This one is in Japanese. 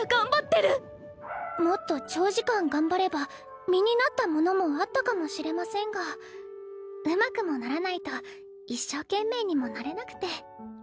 もっと長時間頑張れば身になったものもあったかもしれませんがうまくもならないと一生懸命にもなれなくて。